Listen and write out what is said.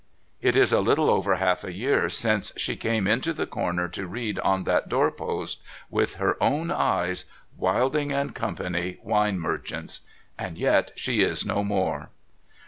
It is little over half a year since she came into the Corner to read on that door post with her own eyes, Wildixg and Co., Wine Merchants. And yet she is no more